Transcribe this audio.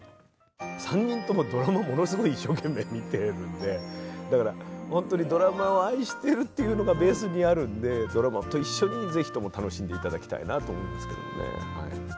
３人ともドラマをものすごく一生懸命、見てるんでだから本当にドラマを愛してるっていうのがベースにあるんでドラマと一緒にぜひとも楽しんでいただきたいなと思いますけどね。